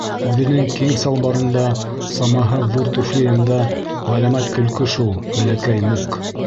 Үҙенең киң салбарында, самаһыҙ ҙур түфлийында ғәләмәт көлкө шул Бәләкәй Мук.